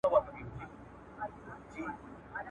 نو د مور مځکي سره